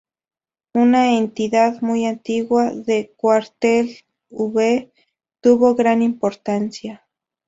Una Entidad muy antigua de Cuartel V, tuvo gran importancia.